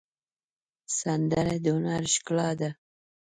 سندره د هنر ښکلا ده